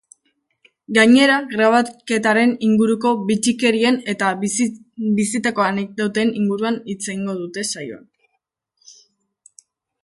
Gainera, grabaketaren inguruko bitxikerien eta bizitako anekdoten inguruan hitz egingo dute saioan.